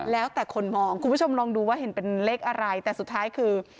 แล้วแต่คนมองคุณผู้ชมลองดูว่าเห็นเป็นเลขอะไรแต่สุดท้ายคือ